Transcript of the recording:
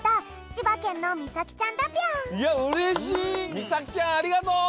みさきちゃんありがとう！